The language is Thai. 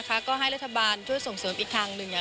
ก็ให้รัฐบาลช่วยส่งเสริมอีกครั้งนึงค่ะ